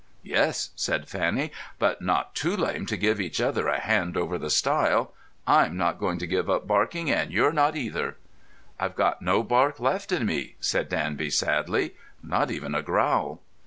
"Yes," said Fanny, "but not too lame to give each other a hand over the stile. I'm not going to give up barking, and you're not, either." "I've got no bark left in me," said Danby sadly. "Not even a growl."